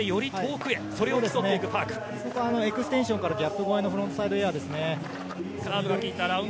エクステンションからギャップ越えのフロントサイドエアですね。